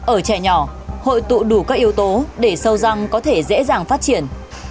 ở trẻ nhỏ hội tụ đủ các yếu tố để sâu răng có thể dễ dàng phát triển